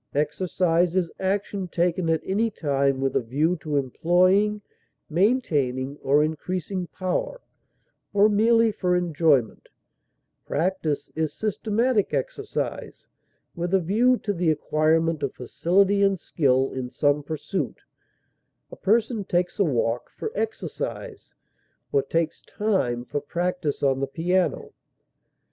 Exercise is action taken at any time with a view to employing, maintaining, or increasing power, or merely for enjoyment; practise is systematic exercise with a view to the acquirement of facility and skill in some pursuit; a person takes a walk for exercise, or takes time for practise on the piano.